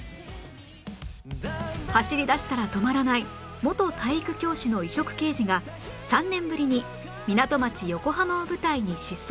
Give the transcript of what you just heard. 走り出したら止まらない元体育教師の異色刑事が３年ぶりに港町横浜を舞台に疾走します